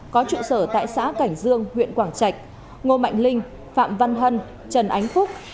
có trụ sở tại xã cảnh dương huyện quảng trạch ngô mạnh linh phạm văn hân trần ánh phúc